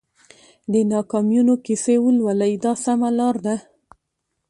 د ناکامیونو کیسې ولولئ دا سمه لار ده.